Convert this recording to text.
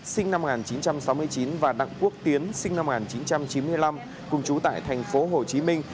sinh năm một nghìn chín trăm sáu mươi chín và đặng quốc tiến sinh năm một nghìn chín trăm chín mươi năm cùng chú tại thành phố hồ chí minh